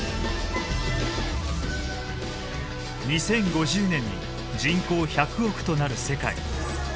２０５０年に人口１００億となる世界。